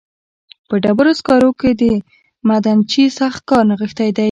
په ډبرو سکرو کې د معدنچي سخت کار نغښتی دی